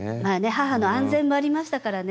母の安全もありましたからね。